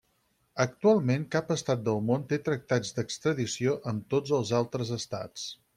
Actualment, cap estat del món té tractats d'extradició amb tots els altres estats.